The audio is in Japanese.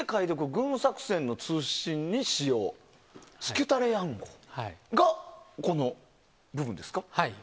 軍作戦の通信に使用スキュタレー暗号がこの部分ですか？